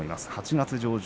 ８月上旬